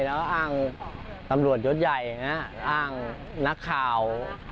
แล้วก็อ้างตำรวจยศใหญ่อย่างนี้อ้างนักข่าว